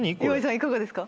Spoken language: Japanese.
いかがですか？